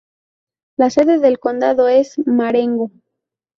La sede del condado es Marengo.